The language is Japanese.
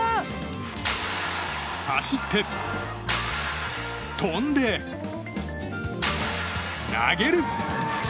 走って、跳んで、投げる！